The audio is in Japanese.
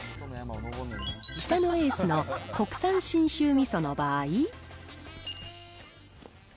北野エースの国産信州味噌の場合。